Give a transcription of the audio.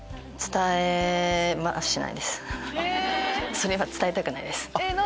それは伝えたくないの？